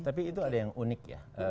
tapi itu ada yang unik ya